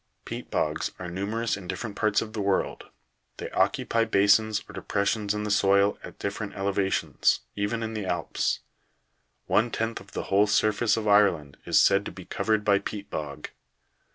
44. Peat bogs are numerous in different parts of the world ; they occupy basins or depressions in the soil at different elevations, even in the Alps. One tenth of the whole surface of Ireland is said to be covered by peat bog.